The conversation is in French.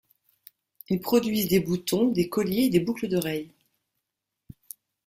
Ils produisent des boutons, des colliers et des boucles d'oreille.